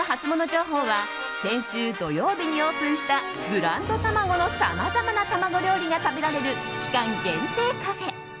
情報は先週土曜日にオープンしたブランド卵のさまざまな卵料理が食べられる期間限定カフェ。